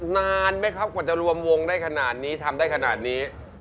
นานไหมครับกว่าจะรวมวงได้ขนาดนี้ทำได้ขนาดนี้